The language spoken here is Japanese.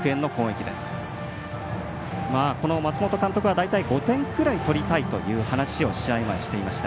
この松本監督は大体５点ぐらい取りたいという話を試合前にしていました。